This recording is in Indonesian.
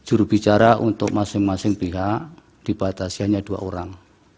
juru bicara untuk masing masing pihak dibatas hanya dua orang